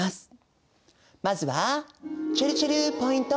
まずはちぇるちぇるポイント